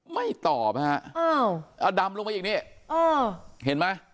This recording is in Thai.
ไม่ตอบฮะอ้าวเอาดำลงมาอย่างนี้เออเห็นไหม